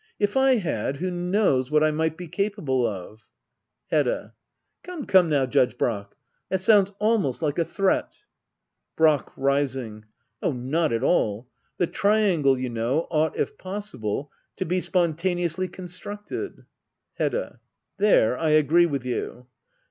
If I had, who knows what I might be capable of ? Hedda. Come come now. Judge Brack ! That sounds almost like a threat. Brack. [l^tfiy^.] Oh, not at all ! The triangle, you know, ought, if possible, to be spontaneously con structed. Hedda. There I agree with you.